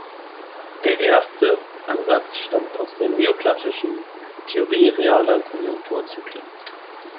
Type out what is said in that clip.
Der erste Ansatz stammt aus der neoklassischen "Theorie realer Konjunkturzyklen".